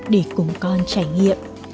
để cùng con trải nghiệm